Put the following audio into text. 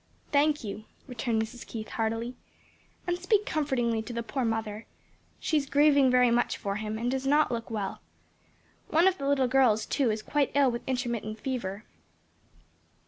"Thank you," returned Mrs. Keith heartily "And speak comfortingly to the poor mother. She is grieving very much for him, and does not look well. One of the little girls, too, is quite ill with intermittent fever."